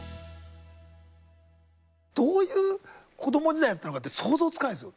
どういう子供時代だったのかって想像つかないんですよ。